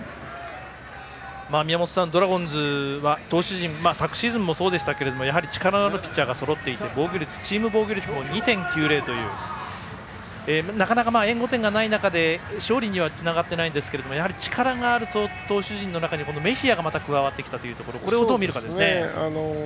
宮本さん、ドラゴンズは投手陣昨シーズンもそうでしたがやはり力のあるピッチャーがそろっていてチーム防御率も２．９０というなかなか、援護点がない中で勝利にはつながっていないんですが力のある投手陣の中にメヒアがまた加わってきたというこれをどう見るかですね。